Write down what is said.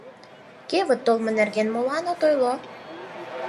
— Кевыт толымо нерген молан от ойло?